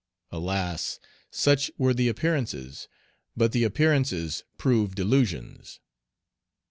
Alas! such were the appearances, but the appearances proved delusions.